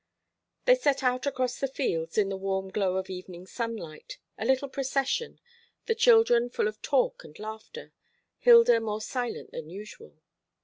They set out across the fields in the warm glow of evening sunlight, a little procession the children full of talk and laughter, Hilda more silent than usual.